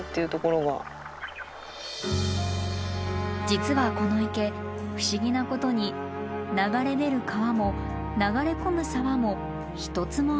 実はこの池不思議なことに流れ出る川も流れ込む沢も一つもありません。